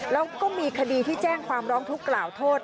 แล้วก็มีคดีที่แจ้งความร้องทุกข์กล่าวโทษ